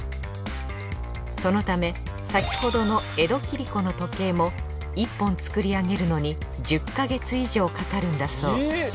そのため先ほどの江戸切子の時計も１本作り上げるのに１０ヵ月以上かかるんだそう。